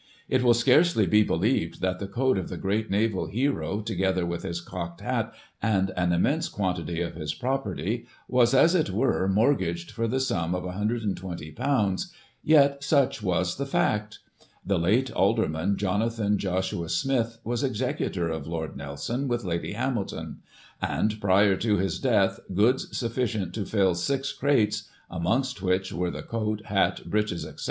" It will scarcely be believed that the coat of the great naval hero, together with his cocked hat, and an immense quantity of his property, was, as it were, mortgaged for the sum of ;6i20, yet such was the fact The late Alderman Jonathan Joshua Smith was executor of Lord Nelson with Lady Hamilton ; and, prior to his death, goods sufficient to fill six crates (amongst which were the coat, hat, breeches, etc.)